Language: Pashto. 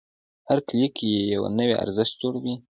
هر کلیک یو نوی ارزښت جوړوي.